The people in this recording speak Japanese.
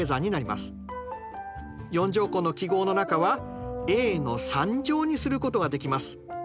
４乗根の記号の中はａの３乗にすることができます。